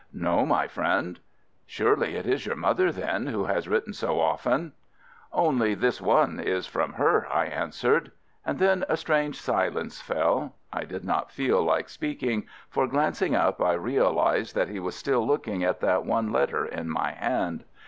"No, my friend." " Surely it is your mother, then, who has written so often." " Only this one is from her," I answered. And then a strange silence fell — I did not feel like speaking, for glancing up, I real ized that he was still looking at that one let ter in my hand.